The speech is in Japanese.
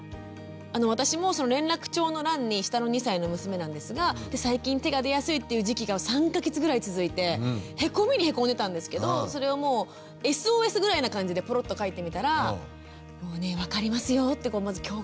私も連絡帳の欄に下の２歳の娘なんですが最近手が出やすいっていう時期が３か月ぐらい続いてへこみにへこんでたんですけどそれをもうＳＯＳぐらいな感じでポロッと書いてみたらもうね分かりますよってまず共感して下さって。